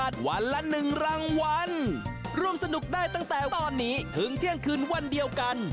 ถึงเที่ยงคืนวันเดียวกัน